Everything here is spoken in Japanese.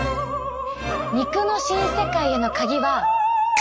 肉の新世界へのカギは。